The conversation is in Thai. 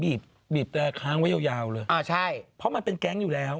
บีบแต่ค้างไว้ยาวยาวเลยอ่าใช่เพราะมันเป็นแก๊งอยู่แล้ว